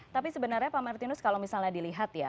tapi sebenarnya pak martinus kalau misalnya dilihat ya